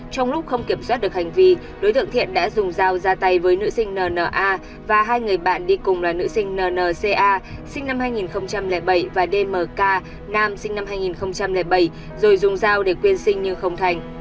trong lúc không kiểm soát được hành vi đối tượng thiện đã dùng dao ra tay với nữ sinh n n a và hai người bạn đi cùng là nữ sinh n n c a sinh năm hai nghìn bảy và d m k nam sinh năm hai nghìn bảy rồi dùng dao để quyên sinh nhưng không thành